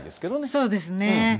そうですね。